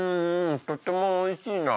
とってもおいしいな！